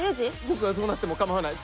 僕はどうなっても構わない。